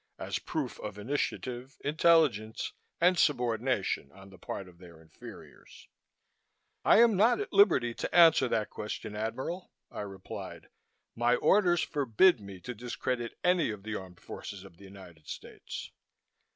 as proof of initiative, intelligence and subordination on the part of their inferiors. "I am not at liberty to answer that question, Admiral," I replied. "My orders forbid me to discredit any of the armed forces of the United States.